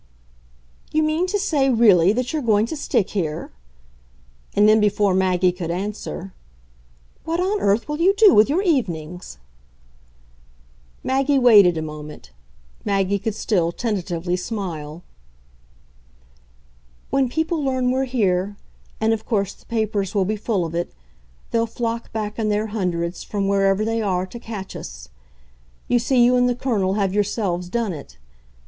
"You mean to say really that you're going to stick here?" And then before Maggie could answer: "What on earth will you do with your evenings?" Maggie waited a moment Maggie could still tentatively smile. "When people learn we're here and of course the papers will be full of it! they'll flock back in their hundreds, from wherever they are, to catch us. You see you and the Colonel have yourselves done it.